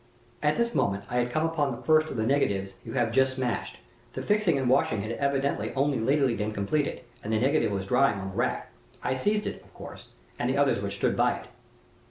"At this moment I had come upon the first of the negatives you have just smashed. The fixing and washing had evidently only lately been completed, and the negative was drying on the rack. I seized it, of course, and the others which stood by it.